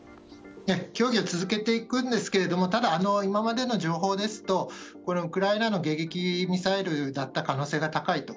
協議は続けていくんですがただ、今までの情報ですとウクライナの迎撃ミサイルだった可能性が高いと。